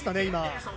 今。